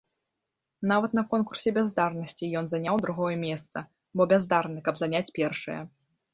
Нават на конкурсе бяздарнасці ён заняў другое месца, бо бяздарны, каб заняць першае.